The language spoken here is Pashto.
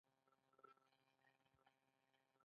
ایا مصنوعي ځیرکتیا د احساساتي هوښیارۍ ځای نه شي نیولی؟